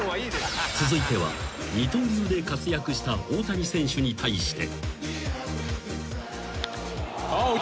［続いては二刀流で活躍した大谷選手に対して］